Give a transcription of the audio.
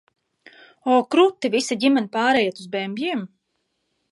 O, kruti! Visa ģimene pārejat uz bembjiem?